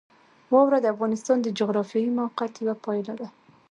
واوره د افغانستان د جغرافیایي موقیعت یوه پایله ده.